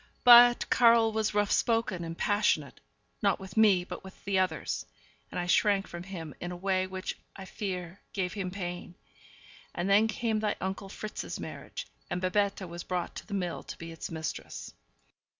But Karl was rough spoken, and passionate not with me, but with the others and I shrank from him in a way which, I fear, gave him pain. And then came thy uncle Fritz's marriage; and Babette was brought to the mill to be its mistress.